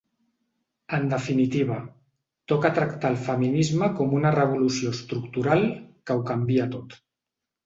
En definitiva, toca tractar el feminisme com una revolució estructural, que ho canvia tot.